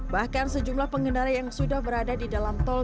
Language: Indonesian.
bahkan sejumlah pengendara yang sudah berada di dalam tol